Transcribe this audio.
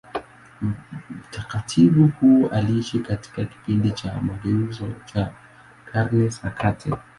Mtakatifu huyo aliishi katika kipindi cha mageuzi cha Karne za kati.